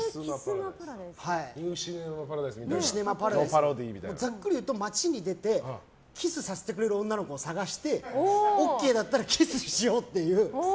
「ニュー・シネマ・パラダイス」のざっくりいうと街に出てキスさせてくれる女の子を探して、ＯＫだったらキスしようという。